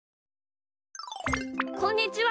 こんにちは！